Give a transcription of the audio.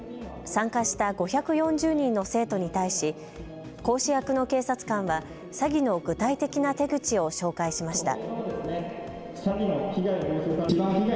参加した５４０人の生徒に対し講師役の警察官は詐欺の具体的な手口を紹介しました。